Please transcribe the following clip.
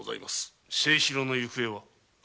精四郎の行方は？